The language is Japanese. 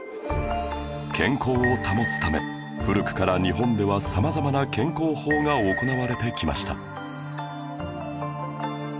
健康を保つため古くから日本では様々な健康法が行われてきました